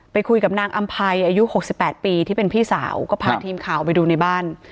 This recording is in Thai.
ไปคุยกับนางอำภัยอายุ๖๘ปีที่เป็นพี่สาวก็พาทีมข่าวไปดูในบ้าน